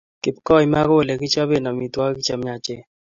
Kapkoima ko ole kichope amitwogik chemiachen